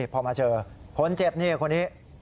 พอมาเจอคนเจ็บนี่คนนี้